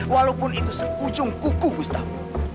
walaupun itu sekujung kuku gustaf